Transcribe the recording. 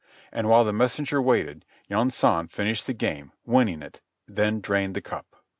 And while the messenger waited Yunsan finished the game, winning it, then drained the cup.